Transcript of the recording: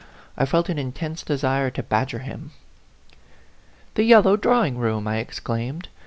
I felt an intense desire to badger him. " The yellow drawing room !" I exclaimed.